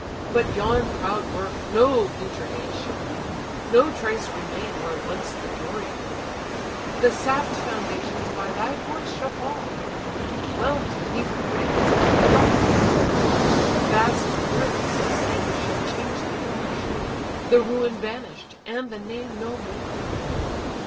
But yon proud work no future age shall view, No trace remain where once the glory grew. The sapp'd foundations by thy force shall fall, And, whelm'd beneath the waves, drop the huge wall: Vast drifts of sand shall change the former shore: The ruin vanish'd, and the name no more."